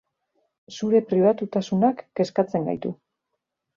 Zure pribatutasunak kezkatzen gaitu